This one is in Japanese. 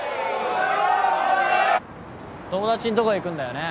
友達んとこ行くんだよね？